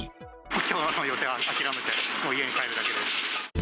きょうはもう予定は諦めて、もう家に帰るだけです。